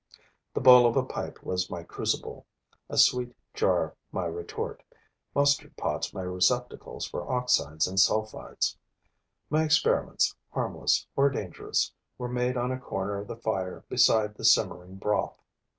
The bowl of a pipe was my crucible, a sweet jar my retort, mustard pots my receptacles for oxides and sulfides. My experiments, harmless or dangerous, were made on a corner of the fire beside the simmering broth.